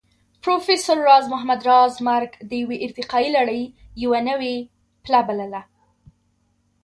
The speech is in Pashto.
پروفېسر راز محمد راز مرګ د يوې ارتقائي لړۍ يوه نوې پله بلله